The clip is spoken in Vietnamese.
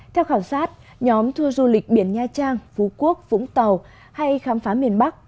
theo khảo sát nhóm tour du lịch biển nha trang phú quốc vũng tàu hay khám phá miền bắc